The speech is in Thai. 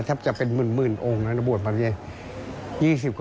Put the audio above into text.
คุณผู้ชมฟังเสียงเจ้าอาวาสกันหน่อยค่ะ